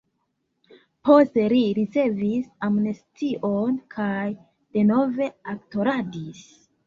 Poste li ricevis amnestion kaj denove aktoradis.